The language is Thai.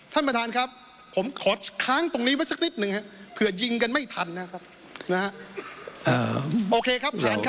ท่านประธานครับผมขอค้างตรงนี้ไว้สักนิดหนึ่งครับเผื่อยิงกันไม่ทันนะครับ